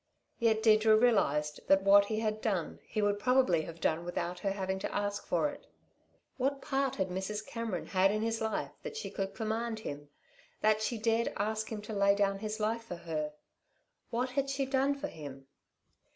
Yet Deirdre realised that what he had done he would probably have done without her having to ask for it. What part had Mrs. Cameron had in his life that she could command him that she dared ask him to lay down his life for her? What had she done for him?